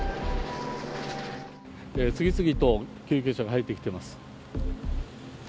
次々と救急車が入ってきています。